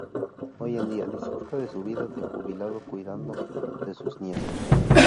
Hoy en día disfruta de su vida de jubilado cuidando de sus nietos.